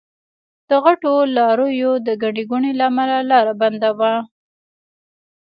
د غټو لاريو د ګڼې ګوڼې له امله لار بنده وه.